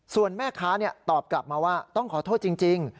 ส่วนแม่ค้าตอบกลับมาว่าต้องขอโทษจริง